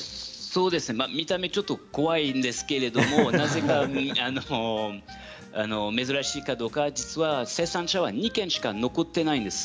見た目ちょっと怖いんですけれど何が珍しいかどうか実は生産者が２軒しか残っていないんです。